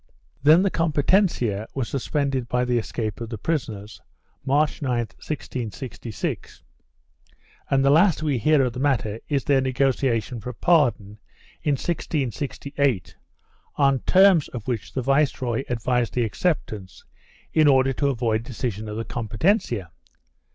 Then the cornpetencia was suspended by the escape of the prisoners, March 9, 1666, and the last we hear of the matter is their nego tiation for a pardon, in 1668, on terms of which the viceroy advised the acceptance, in order to avoid decision of the com petencia.